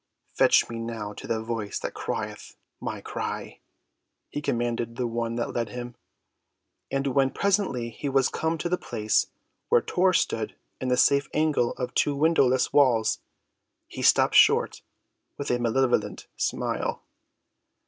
"Fetch me now to the voice that crieth my cry," he commanded the one that led him. And when presently he was come to the place where Tor stood in the safe angle of two windowless walls, he stopped short with a malevolent smile.